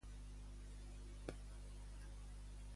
Em sembla que hauré de tornar a anar de ventre